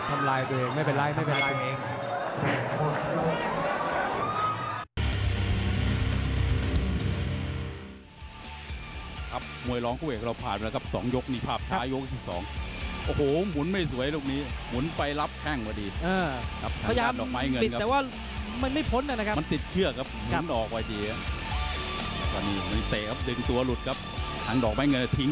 ทำร้ายตัวเองไม่เป็นไรไม่เป็นไรเอง